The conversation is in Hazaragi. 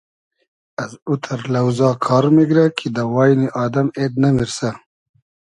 از اوتئر لۆزا کار میگرۂ کی دۂ واینی آدئم اېد نئمیرسۂ